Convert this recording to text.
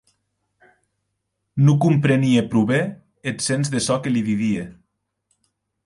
Non comprenie pro ben eth sens de çò que li didie.